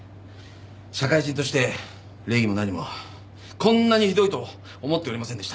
社会人として礼儀も何もこんなにひどいと思っておりませんでした。